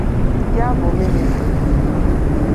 Ya bụ Minịsta